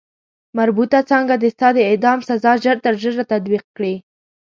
مربوطه څانګه دې ستا د اعدام سزا ژر تر ژره تطبیق کړي.